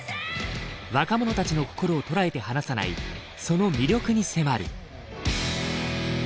若者たちの心を捉えて離さないその魅力に迫る。